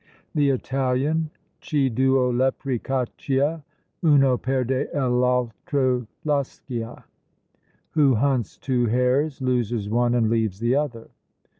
The Italian Chi duo lepri caccia Uno perde, e l'altro lascia. Who hunts two hares, loses one and leaves the other.